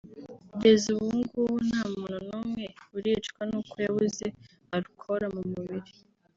Kugeza ubu ngubu nta muntu numwe uricwa nuko yabuze arukoro mu mubiri